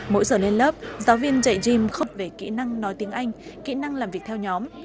mỗi giờ lên lớp giáo viên dạy gm khúc về kỹ năng nói tiếng anh kỹ năng làm việc theo nhóm